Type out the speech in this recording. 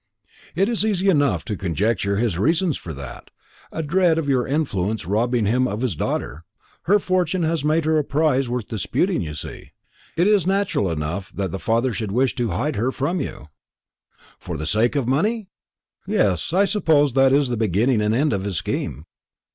"It is easy enough to conjecture his reasons for that; a dread of your influence robbing him of his daughter. Her fortune has made her a prize worth disputing, you see. It is natural enough that the father should wish to hide her from you." "For the sake of the money? yes, I suppose that is the beginning and end of his scheme.